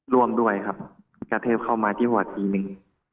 ร่วมด้วยครับกระเทบเข้ามาที่หัวทีหนึ่ง